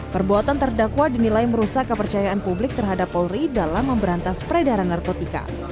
perbuatan terdakwa dinilai merusak kepercayaan publik terhadap polri dalam memberantas peredaran narkotika